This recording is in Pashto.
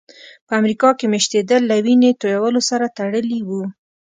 په امریکا کې مېشتېدل له وینې تویولو سره تړلي وو.